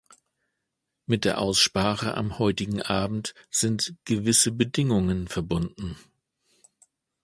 Mit der Aussprache am heutigen Abend sind gewisse Bedingungen verbunden.